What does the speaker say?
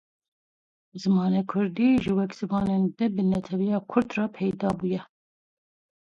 Min Telefon kir û wê ranekir